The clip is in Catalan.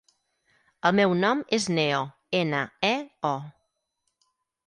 El meu nom és Neo: ena, e, o.